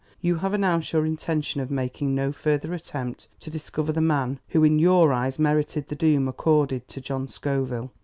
You have announced your intention of making no further attempt to discover the man who in your eyes merited the doom accorded to John Scoville.